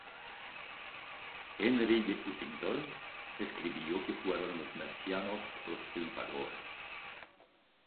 Henry de Huntingdon escribió que fueron los mercianos los triunfadores.